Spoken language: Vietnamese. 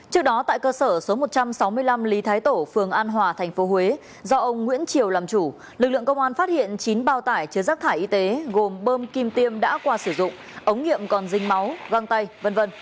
trước đó tại cơ sở số một trăm sáu mươi năm lý thái tổ phường an hòa tp huế do ông nguyễn triều làm chủ lực lượng công an phát hiện chín bao tải chứa rác thải y tế gồm bơm kim tiêm đã qua sử dụng ống nghiệm còn dinh máu găng tay v v